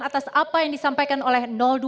atas apa yang disampaikan oleh dua